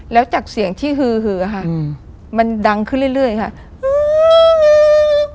แล้วจากเสียงที่ฮืออ่ะค่ะมันดังขึ้นเรื่อยค่ะอื้ออื้ออื้ออื้อ